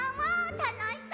たのしそう！